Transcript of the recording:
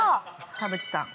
◆田渕さん。